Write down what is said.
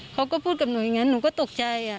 เขาก็พูดกับหนูอย่างนั้นหนูก็ตกใจ